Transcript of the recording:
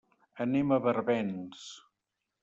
Anem a Barbens.